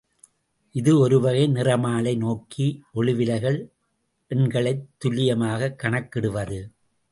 இது ஒருவகை நிறமாலை நோக்கி ஒளிவிலகல் எண்களைத் துல்லியமாகக் கணக்கிடுவது.